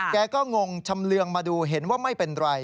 แกก็งงชำเรืองมาดูเห็นว่าไม่เป็นไร